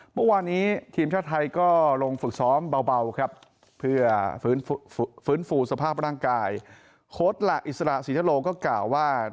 เพื่อฝืนฟูสภาพพนางกายโค้ดหลักอิสระสิฮาโลก็กล่าวว่า